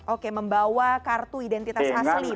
oke membawa kartu identitas asli begitu ya pak